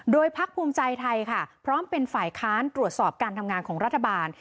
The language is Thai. โดยพักภูมิใจไทยค่ะพร้อมเป็นฝ่ายค้านตรวจสอบการทำงานของรัฐบาล